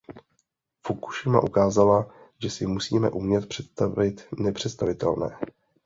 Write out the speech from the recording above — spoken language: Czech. Fukušima ukázala, že si musíme umět představit nepředstavitelné.